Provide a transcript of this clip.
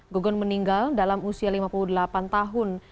gogon meninggal dalam usia lima puluh delapan tahun